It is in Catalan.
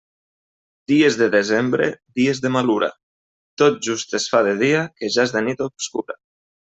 Dies de desembre, dies de malura: tot just es fa de dia que ja és nit obscura.